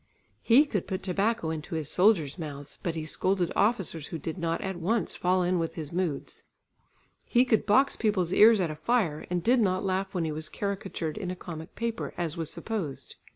He could put tobacco into his soldiers' mouths, but he scolded officers who did not at once fall in with his moods. He could box people's ears at a fire, and did not laugh when he was caricatured in a comic paper, as was supposed.